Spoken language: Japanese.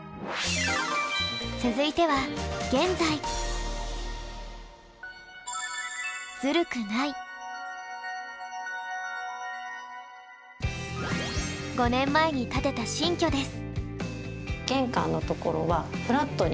続いては５年前に建てた新居です。